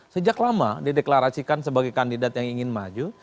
sejak lama dideklarasikan sebagai kandidat yang ingin maju